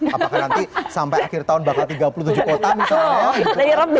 apakah nanti sampai akhir tahun bakal tiga puluh tujuh kota misalnya